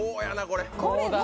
やなこれ。